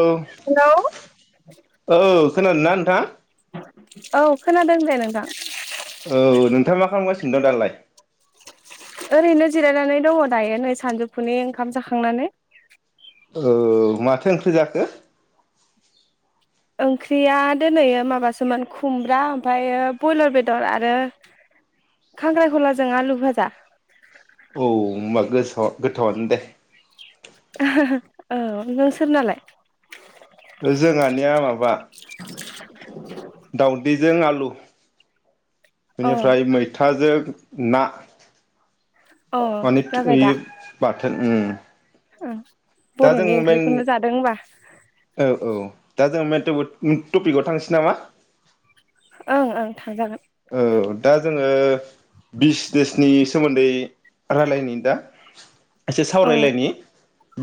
औ हेलौ औ खोनादोंना नोंथां? औ खोनादों दे नोंथां। औ नोंथांङा मा खालामगासि दं दालाय? [inaudible] ओरैनो जिरायनानै दंङ दायो नै सानजौफुनि ओंखाम जाखांनानै। औ माथो ओंख्रि जाखो? ओंख्रिया दोनैओ माबासोमोन खुमब्रा ओमफायो बयलार बेदर आरो खांख्रायखलाजों आलु भाजा । औ होमबा गोसाव गोथावआनो दे औ नोंसोरनालाय? जोंहानिया माबा। [inaudible] दाउदै जों आलु अ बेनिफ्राय मैथाजों। ना अ [unintelligible] जाबाय दा [unintelligible] उम ओं दा जों बर'नि मेन ओंख्रिखौनो जादों होमबा औ औ दा जों मे टबोट नि टपिकआव थांनोसै नामा? ओं ओं थांजागोन। औ दा जोंङो बिजनेसनि सोमोन्दै रायलायनो दा। एसे औ सावरायलायनि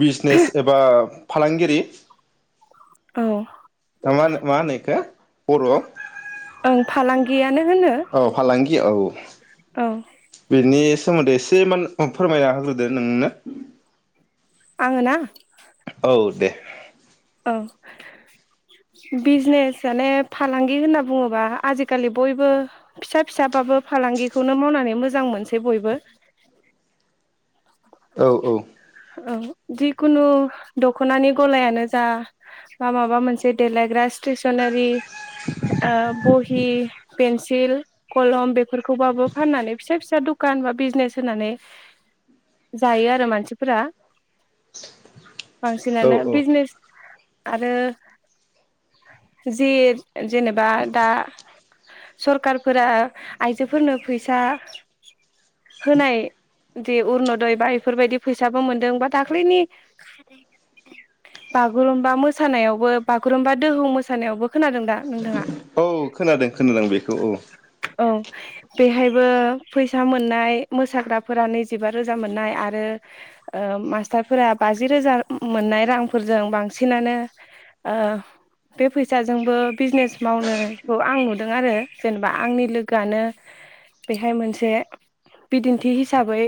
बिजनेस एबा फालांगिरि। औ ना मा होनो मा होनो‌ इखो बर'। ओं फालांगियानो। होनो औ फालांगि। गि औ। औ बेनि सोमोन्दै एसे मान फोरमायना होग्रोदो नोंनो। आंङो ना। औ दे। औ बिजनेस माने फालांगि होनना बुंङोबा आजिखालि बयबो फिसा फिसाबाबो फालांगिखौनो मावनानै मोजां मोनसै बयबो। औ औ। औ जिखुनु दख'नानि गलायानो जा बा माबा मोनसे देलायग्रा स्टेसनारि ओ बहि। पेन्सिल, कलम बेफोरखौबाबो फाननानै फिसा फिसा दखान बा बिजनेस होनानै जायो आरो मानसि फोरा। औ बांसिनानो बिजनेस आरो जि जेनेबा दा सरखारारफोरा आइजोफोरनो फैसा होनाय। दे अरन'दय बा बेफोरबायदि फैसाबो मोनदों बा दाखैनि बागुरुमबा मोसानायावबो बागुरुमबा दोहौ मोसानायावबो खोनादों दा नोंथाङा औ खोनादों खोनादों बेखौ औ। औ बेहायबो फैसा मोननाय मोसाग्राफोरा नैजिबा रोजा मोननाय आरो ओ मास्टारफोरा बाजि रोजा मोननाय रांफोरजों बांसिनानो ओ बे फैसाजोंबो बिजनेस मावनायखौ आं नुदों आरो जेनेबा आंनि लोगोआनो बेहाय मोनसे बिदिन्थि हिसाबै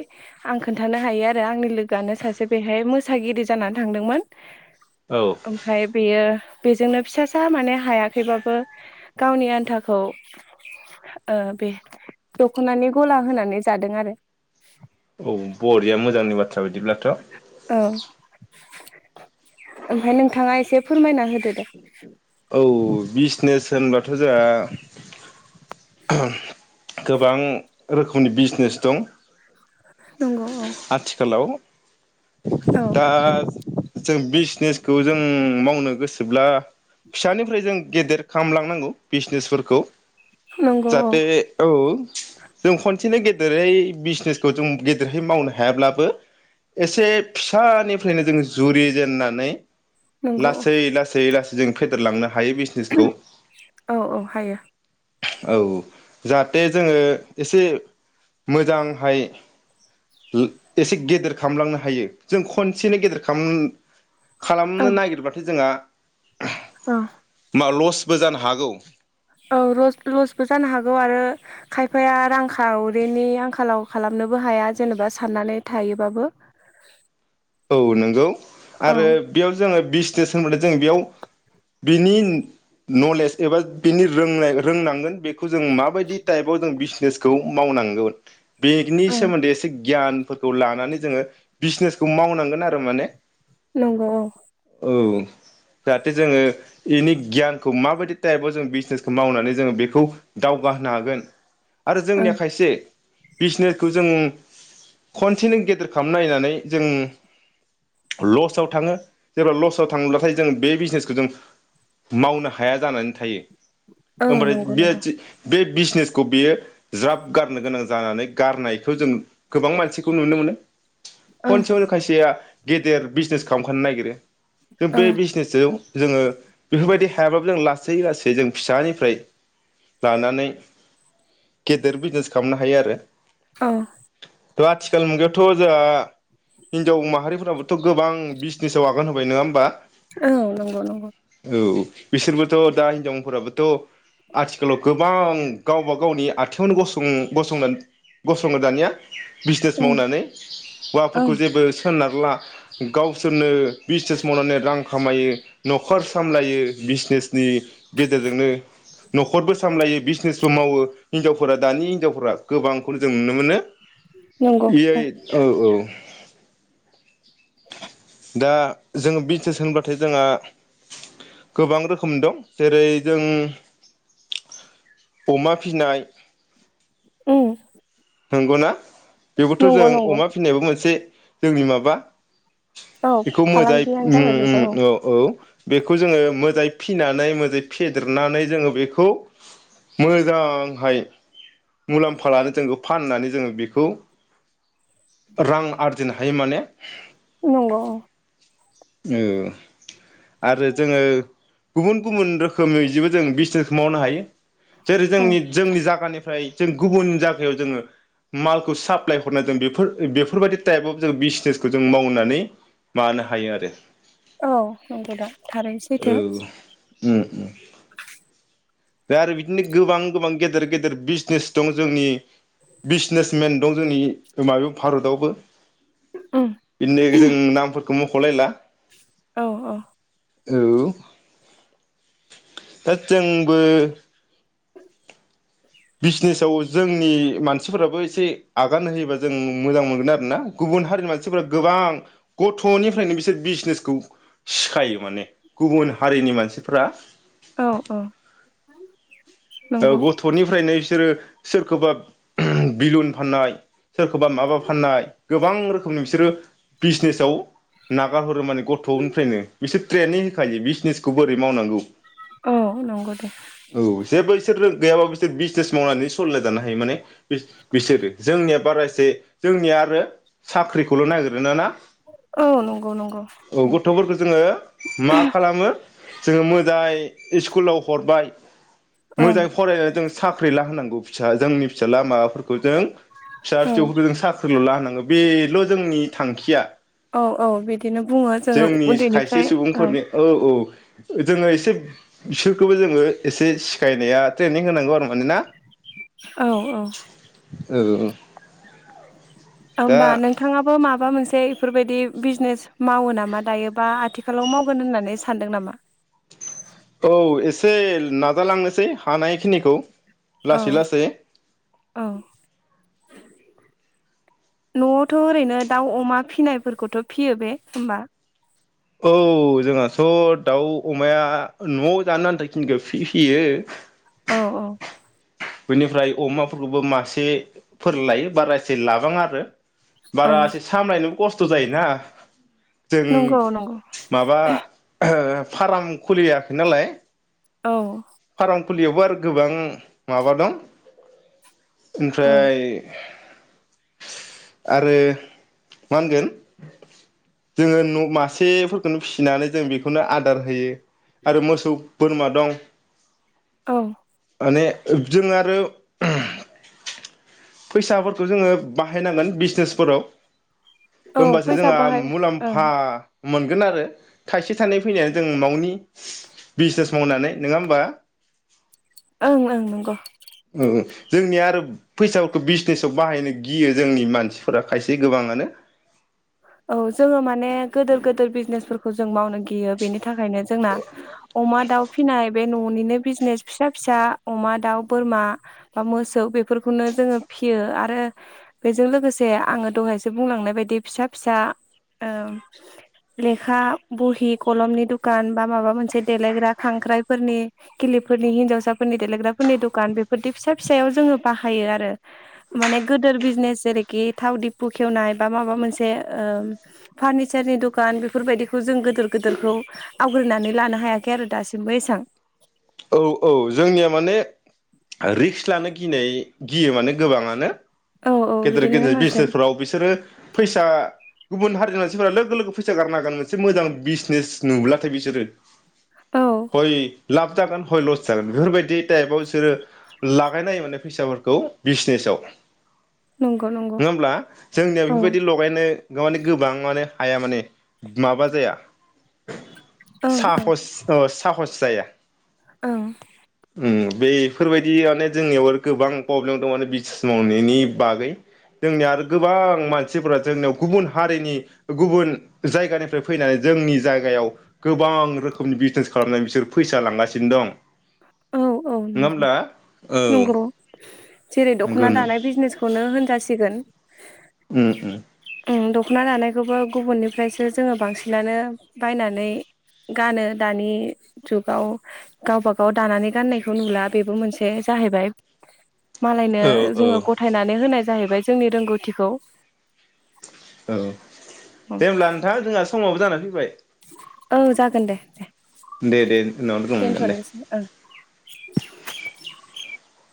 आं खोन्थानो हायो आरो। आरो आंनि लोगोआनो सासे बेहाय मोसागिरि जानानै थांदोंमोन। औ ओमफ्राय बेयो बेजोंनो फिसासा माने हायाखैबाबो गावनि आन्थाखौ ओ बे दख'नानि गला होनानै जादों आरो। औ बरिया मोजांनि बाथ्रा बिदिब्लाथ'। औ। ओमफ्राय नोंथाङा एसे फोरमायना होदो दे। औ बिजनेस होनबाथ' जोंहा गोबां रोखोमनि बिजनेस दं। नंगौ औ आथिखालाव औ दा जों बिजनेसखौ जों मावनो गोसोब्ला फिसानिफ्राय जों गेदेर खालामलांनांगौ बिजनेसफोरखौ। नंगौ औ जाहाथे औ। जों खनसेनो गेदेरै बिजनेसखौ जों गेदेरहै मावनो हायाब्लाबो एसे फिसानिफ्रायनो जों जुरिजेेननानै नंगौ लासै लासै लास जों फेदेरलांना [unintelligible] औ औ हायो। औ जाहाथे जोङो एसे मोजांहाय लो एसे गेदेर खालामलांनो हायो जों खनसेनो गेदेर खाम खालामनो नागिरबाथाय जोंहा अह। ओ लसबो जानो हागौ। औ लसबो जानो हागौ आरो खायफाया रांखावरिनि आंखालाव खालामनोबो हाया जेनेबा साननानै थायोबाबो। औ नोंगौ। औ आरो बेयाव जोङो बिजसनेस सोमोनदै जों बेयाव बिनि नलेज एबा बिनि रोंनाय रोंनांगोन बे खौ जों माबायदि टाइपाव जों बिसनेस खौ मावनांगोन। बेंगनि औ सोमोन्दै एसे गियानफोरखौ लानानै जोङो बिजनेस खौ मावनांगोन आरो माने। नंगौ औ। औ जाहाथे जोङो इनि गियानखौ माबायदि टाइपआव जों बिजनेसखौ मावनानै जोङो बेखौ दावगा होनो हागोन। आरो ओं जोंनिया खायसे बिजनेसखौ जों खनसेनो गेदेर खालाम नायनानै जों लसआव थाङो जेब्ला लसआव थाङोब्लाथाय जों बे बिजनेसखौ जों मावनो हाया जानानै थायो। औ ओमफ्राय नंगौ नंगौ बेयासि बे बिजनेसखौ बेयो ज्राब गारनो गोनां जानानै गारनायखौ जों गोबां मानसिखौ नुनो मोनो। ओं खनसेयावनो खायसेया गेदेर बिजनेस खालामखानो नागिरो। जों औ बे बिजनेस सायाव जोङो बेफोरबायदि हायाबाबो जों लासै लासै जों फिसानिफ्राय लानानै गेदेर बिजनेस खालामनो हायो आरो। औ थ' आथिखाल मुगायावथ' जोंहा हिन्जाव माहारिफोराबोथ' गोबां बिजनेसाव आगान होबाय नङा होमबा? औ नंगौ नंगौ। औ बिसोरबोथ' दा हिनजावफोराबोथ' आथिखालाव गोबां गावबा गावनि आथिङावनो गंसं गंसं गसंनो दानिया बिजनेस ओं मावनानै। ओं हौवाफोरखौ जेबो सोनारला। गावसोरनो बिजनेस मावनानै रां खामायो न'खर सामलायो बिजनेस नि गेजेरजोंनो न'खरबो सामलायो। बिजनेसबो मावो। हिनजावफोरा दानि हिनजावफोरा गोबांखौनो जों नुनो मोनो यै औ औ। दा जोङो बिजनेस होनबाथाय जोंहा गोबां रोखोम दं जेरै जों अमा फिनाय ओम। नंगौ ना? बेबोथ' जों नंगौ अमा फिनायबो मोनसे जोंनि माबा औ बेखौ मोजाय फालांगियानो ओम जाबाय बेबो ओम औ औ। बेखौ जोङो मोजाय फिनानै मोजाय फेदेरनानै जोङो बेखौ मोजांहाय मुलाम्फा लानो जों फाननानै जोङो बेखौ रां आरजिनो हायो माने नंगौ औ। ओ। आरो जोङो गुबुन गुबुन रोखोमै जिबो जों बिजनेसखौ मावनो हायो। जेरै औ जोंनि जोंनि जागानिफ्राय जों गुबुन जागायाव जोङो मालखौ साप्लाय हरनायजों बेफोर बेफोरबायदि टाइपाव जों बिजनेसखो जों मावनानै मानो हायो आरो। औ नंगौ दा थारैनो औ सैथो। उम उम। दा आरो बिदिनो गोबां गोबां गेदेर गेदेर बिजनेस दं जोंनि बिजनेसमेन दं जोंनि माबायाव भारतआवबो। उम बिदिनो जों नामफोर मखलायला औ औ। नंगौ होद जों बो [inaudible] बिजनेसाव जोंनि मानसिफोराबो एसे आगान होयोबा जों मोजां मोनगोन आरोना गुबुन हारिनि मानसिफोरा गोबां गथ'निफ्रायनो बिसोर बिजनेसखौ सिखायो माने गुबुन हारिनि मानसिफ्रा। औ औ। ओ नंगौ गथ'निफ्रायनो इसोरो सोरखौबा बिलुन फाननाय सोरखौबा माबा फाननाय गोबां रोखोमनि बिसोरो बिजनेसाव नागारहरो माने गथ'निफ्रायनो बिसोर ट्रेनिं होखायो बिजनेसखौ बोरै मावनांगौ । औ नंगौ दे। जेबो इसोरो गैयाबाबो बिसोर बिजनेस मावनानै सलिना जानो हायो माने बिसो बिसोरो जोंनिया बारा एसे जोंनिया आरो साख्रिखौल' नागिरोना ना? औ नंगौ नंगौ औ गथ'फोरखो जोङो मा खालामो जोङो मोजाय इस्कुलाव हरबाय ओं मोजाङै फरायनानै जों साख्रि ला होनांगौ। फिसा जोंनि फिसाला माबाफोरखौ जों-' फिसा औ फिसौफोरखो जों साख्रिल' ला होनां ओ बेल' जोंनि थांखिया। औ औ बिदिनो बुङो जोङो जोंनि खायसे उन्दैनिफ्राय औ। सुबुंफोरनि औ जोङो एसे बिसोरखौबो जोङो एसे सिखायनाया ट्रेनिं होनांगौ आरो माने ना? औ औ। औ दा ओमबा नोंथाङाबो माबा मोनसे एसे बेफोरबायदि बिजनेस मावो नामा दायोबा आथिखालाव मावगोन होननानै सानदों नामा? औ एसे नाजालांनोसै हानायखिनिखौ। औ लासै लासै औ। न'आवथ' ओरैनो दाउ अमा फिनायफोरखौथ' फियो बे होमबा? औ जोंहाथ' दाउ अमाया न'आव जानो आनथा खिनिखौ फि फियो। औ औ। बेनिफ्राय अमाफोरखौबो मासेफोर लायो बारासे लाबाङा आरो। औ बारासे सामलायनो खस्थ' जायोना। जों नंगौ नंगौ माबा ओ फार्म खुलियाखै नालाय। औ। फारांफुलियावबो आरो गोबां माबा दं। औ ओमफ्राय आरो मा होनगोन जोङो न' मासेफोरखौनो फिसिनानै जों बेखौनो आदार होयो आरो मोसौ बोरमा दं। औ। माने जों आरो फैसाफोरखौ जोङो बाहायनांगोन बिजनेसफोराव औ होमबासो फैसा जोंहा बाहाय ओं मुलाम्फा मोनगोन आरो थाइसे थाइनै फैनायानो जों ननि बिजनेस मावनानै नङा होमबा? ओं ओं नंगौ। ओ जोंनिया आरो फैसाफोरखौ बिजनेसाव बाहायनो गियो जोंनि मानसिफोरा खायसे गोबाङानो औ जोङो माने गोदोर गोदोर बिजनेसफोरखौ जों मावनो गियो बेनि थाखायनो जोंना अमा दाउ फिनाय बे न'निनो बिजनेस फिसा फिसा अमा दाउ बोरमा बा मोसौ बेफोरखौनो जोङो फियो आरो बेजों लोगोसे आङो दहायसो बुंलांनाय बायदि फिसा फिसा ओ लेखा बहि कलमनि दुखान बा माबा मोनसे देलायग्रा खांख्राइफोरनि खिलिफोरनि हिन्जावसाफोरनि देलायग्राफोरनि दुखान बेफोरदि फिसा फिसायाव जोङो बाहायो आरो माने गोदोर बिजनेस जेरैखि थाव दिफु खेवनाय बा माबा मोनसे ओ फारनिचारनि दखान बेफोरबायदिखौ जों गोदोर गोदोरखौ आवग्रिानै लानो हायाखै आरो दासिमबो एसां औ औ जोंनिया माने रिक्स लानो गिनाय गियो माने गोबाङानो। औ औ गेदेर बिदिनो गेदेर होनांसिगोन बिजनेसफोराव बिसोरो फैसा गुबुन हारिनि मानसिफोरा लोगो लोगो फैसा गारनो हागोन मोनसे मोजां बिजनेस नुब्लाथाय बिसोरो। औ बै लाब जागोन हय लस जागोन बेफोरबायदि टाइपाव बिसोरो लागायनायो फैसाफोरखौ बिसनेसाव नंगौ नंगौ नङा होमब्ला जोंनिया औ बेफोरबायदि लगायनो माने गोबां माने हाया माने माबा जाया ओं साहस ओ साहस जाया। ओं ओम बेफोरबायदियानो जोंनियाव आरो गोबां प्रब्लेम दं माने बिसनेस मावनायनि बागै जोंनिया आरो गोबां मानसिफोरा जोंनियाव गुबुन हारिनि गुबुन जायगानिफ्राय फैनानै जोंनि जायगायाव गोबां रोखोमनि बिजनेस खालामनानै बिसोर फैसा लांगासिनो दं। औ औ नङा नंगौ होमब्ला नंग' जेरै नंगौ दख'ना नों दानाय बिजनेसखौ खौनो होनजासिगोन। उम उम ओ दख'ना दानायखौबो गुबुननिफ्रायसो जोङो बांसिनानो बायनानै गानो दानि जुगाव गावबा गाव दानानै गाननायखौ नुला बेबो मोनसे जाहैबाय। मालायनो औ औ जोङो गथायनानै होनाय जाहैबाय जोंनि रोंगौथिखौ औ दे हब्ला नोंथां जोंहा समाबो जानानैै फैबाय। औ जागोन दे। दे दे उनाव लोगो मोनगोन दे। दोनथ'नोसै [inaudible]